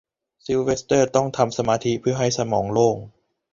ซิลเวสเตอร์ต้องทำสมาธิเพื่อทำให้สมองโล่ง